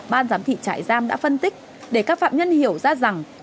ban giám thị trại giam đã phân tích để các phạm nhân hiểu ra rằng